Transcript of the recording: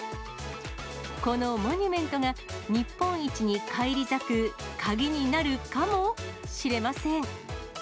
このモニュメントが日本一に返り咲く鍵になるかもしれません。